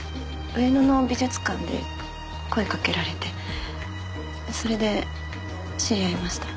上野の美術館で声かけられてそれで知り合いました。